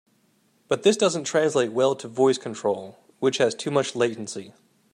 But this doesn't translate well to voice control, which has too much latency.